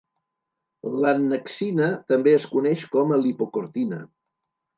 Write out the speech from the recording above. L'annexina també es coneix com a "lipocortina".